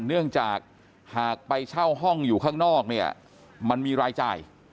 เนื่องจากหากไปเช่าห้องอยู่ข้างนอกเนี่ยมันมีรายจ่าย